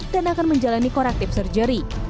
dan akan menjalani korektif surgery